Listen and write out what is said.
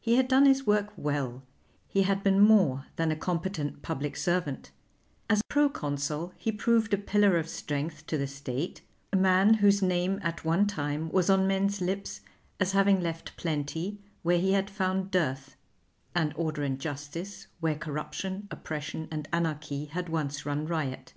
He had done his work well; he had been more than a competent public servant; as Pro Consul he proved a pillar of strength to the State, a man whose name at one time was on men's lips as having left plenty where he had found dearth, and order and justice where corruption, oppression, and anarchy, had once run riot.